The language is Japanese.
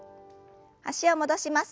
脚を戻します。